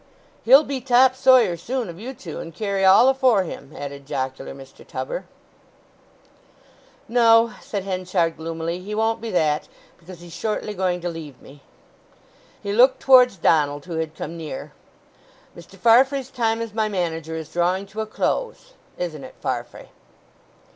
"He'll be top sawyer soon of you two, and carry all afore him," added jocular Mr. Tubber. "No," said Henchard gloomily. "He won't be that, because he's shortly going to leave me." He looked towards Donald, who had come near. "Mr. Farfrae's time as my manager is drawing to a close—isn't it, Farfrae?"